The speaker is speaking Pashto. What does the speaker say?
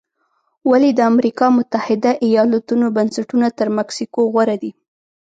ولې د امریکا متحده ایالتونو بنسټونه تر مکسیکو غوره دي؟